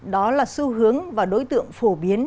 đó là xu hướng và đối tượng phổ biến